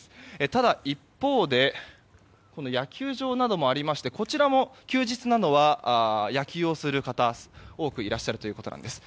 ただ一方で野球場などもありましてこちらも休日などは野球をする方、多くいらっしゃるということです。